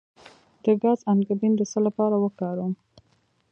د ګز انګبین د څه لپاره وکاروم؟